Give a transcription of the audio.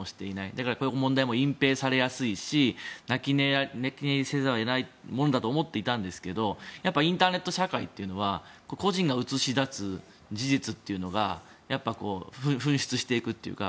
だから、こういう問題も隠ぺいされやすいし泣き寝入りせざるを得ないものだと思っていたんですけどインターネット社会というのは個人が映し出す事実というのが噴出していくというか。